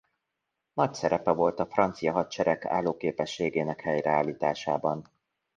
Nagy szerepe volt a francia hadsereg állóképességének helyreállításában.